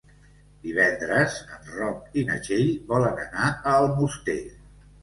Divendres en Roc i na Txell volen anar a Almoster.